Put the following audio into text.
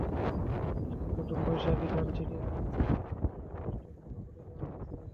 ইষ্টিকুটুম, বৈশাখী, ধানসিঁড়ি, আহার বিহার, দুরন্ত নামের স্টলগুলো খুলে দেওয়া হয়েছে।